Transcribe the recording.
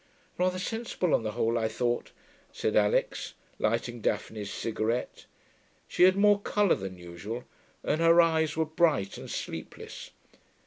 'Rather sensible, on the whole, I thought,' said Alix, lighting Daphne's cigarette. She had more colour than usual, and her eyes were bright and sleepless.